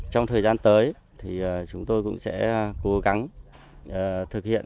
trong thời gian tới thì chúng tôi cũng sẽ cố gắng thực hiện